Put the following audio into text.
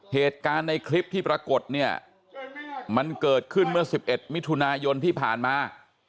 เหตุการณ์ในคลิปที่ปรากฏเนี่ยมันเกิดขึ้นเมื่อ๑๑มิถุนายนที่ผ่านมา